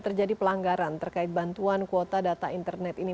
terjadi pelanggaran terkait bantuan kuota data internet ini